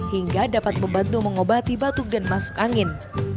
hingga dapat membantu mengobati batuk dan masuk angin